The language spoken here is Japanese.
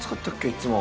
いつも。